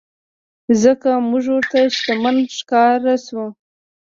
ځکه مونږ ورته شتمن ښکاره شوو.